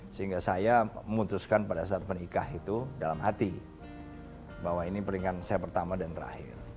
sehingga saya memutuskan pada saat menikah itu dalam hati bahwa ini peringatan saya pertama dan terakhir